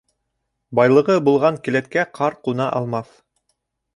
Байлығы булған келәткә ҡар ҡуна алмаҫ